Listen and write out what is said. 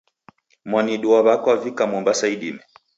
Mwanidu wa w'aka wavika Mombasa idime.